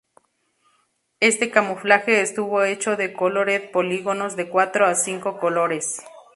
Este camuflaje estuvo hecho de colored polígonos de cuatro o cinco colores.